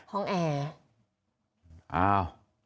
ห้องแอร์